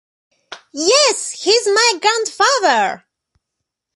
Yes, he's my grandfather.